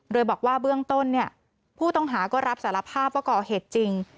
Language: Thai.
โดยบอกว่าเบื้องต้นเนี่ยผู้ต้องหาก็รับสารภาพว่าก่อเหตุจริง